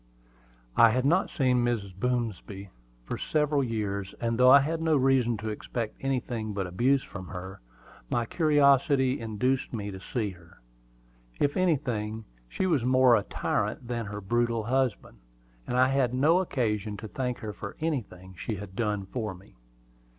I had not seen Mrs. Boomsby for several years; and though I had no reason to expect anything but abuse from her, my curiosity induced me to see her. If anything, she was more of a tyrant than her brutal husband, and I had no occasion to thank her for anything she had done for me.